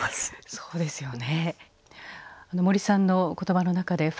そうですね。